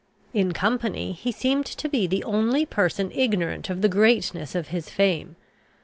In company he seemed to be the only person ignorant of the greatness of his fame.